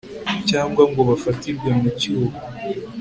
cyangwa ngo bafatirwe mu cyuho